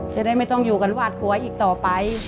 จะได้ไม่ต้องอยู่กันหวาดกลัวอีกต่อไป